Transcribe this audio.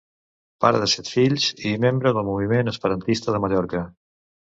Pare de set fills i membre del moviment Esperantista de Mallorca.